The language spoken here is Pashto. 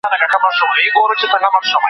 موږ اجازه لرو چي په خپل هېواد کې سوله راولو.